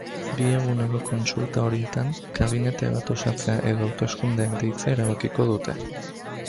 Bi eguneko kontsulta horietan kabinete bat osatzea edo hauteskundeak deitzea erabakiko dute.